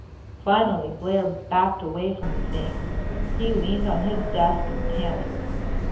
Finally Blair backed away from the thing. He leaned on his desk and panted.